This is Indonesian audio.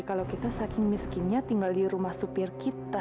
kalau kita saking miskinnya tinggal di rumah supir kita